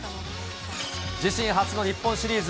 自身初の日本シリーズ。